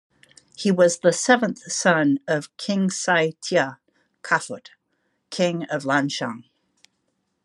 He was the seventh son of King Sai Tia Kaphut, King of Lan Xang.